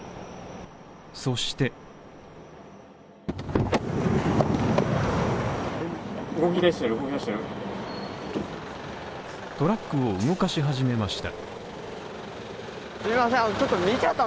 そしてトラックを動かし始めました。